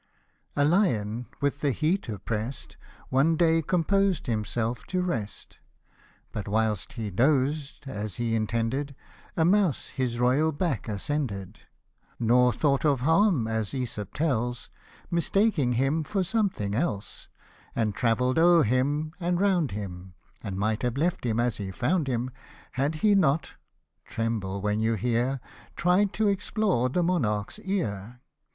A LION, with the heat oppressed, One day composed himself to rest ; But whilst he dozed, as he intended, A mouse his royal back ascended ; Nor thought of harm, as ^Esop tells, Mistaking him for something else, And travell'd over him, and round him, And might have left him as he found him, Had he not, tremble when you hfear, Tried to explore the monarch's ear